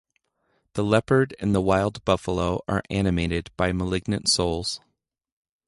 The leopard and the wild buffalo are animated by malignant souls.